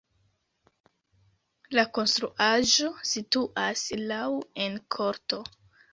La konstruaĵo situas laŭ en korto.